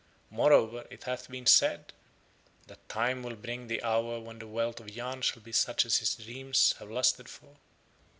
Moreover it hath been said that Time will bring the hour when the wealth of Yahn shall be such as his dreams have lusted for.